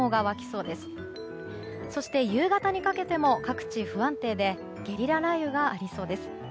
そして夕方にかけても各地、不安定でゲリラ雷雨がありそうです。